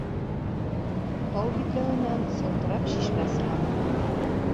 Тау битләүенән сылтырап шишмә сыға.